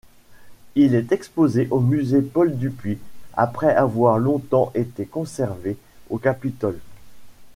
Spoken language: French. Il est exposé au Musée Paul-Dupuy, après avoir longtemps été conservé au Capitole.